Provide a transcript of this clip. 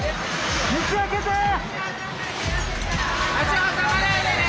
足を挟まないでね！